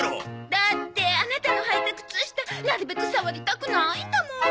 だってアナタのはいた靴下なるべく触りたくないんだもん。